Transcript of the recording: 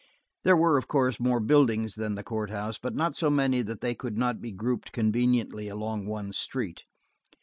There were, of course, more buildings than the courthouse, but not so many that they could not be grouped conveniently along one street.